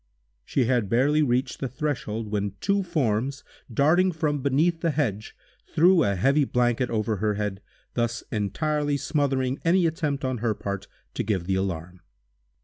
She had barely reached the threshold, when two forms, darting from beneath the hedge, threw a heavy blanket over her head, thus entirely smothering any attempt, on her part, to give the alarm.